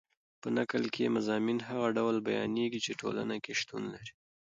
په نکل کښي مضامین هغه ډول بیانېږي، چي ټولنه کښي شتون لري.